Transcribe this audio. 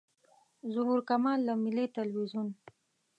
ظهور کمال له ملي تلویزیون.